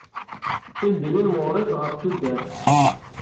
Timdinin meɣɣrit ɣef tuddar.